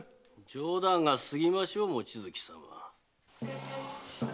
冗談が過ぎましょう望月様。